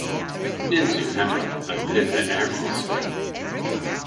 Nyns yw hemma an pyth a erghis vy.